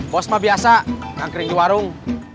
bos mah biasa ngangkring di warung